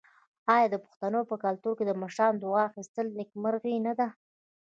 آیا د پښتنو په کلتور کې د مشرانو دعا اخیستل نیکمرغي نه ده؟